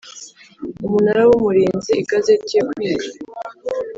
Umunara w Umurinzi Igazeti yo kwigwa